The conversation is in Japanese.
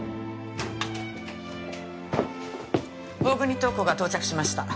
大國塔子が到着しました。